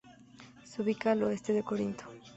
Se ubica al oeste de Corinto.